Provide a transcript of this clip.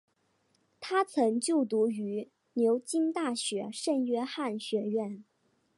他曾就读于牛津大学圣约翰学院。